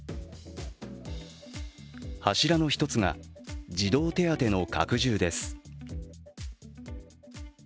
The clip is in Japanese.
柱の一つが、児童手当の拡充です。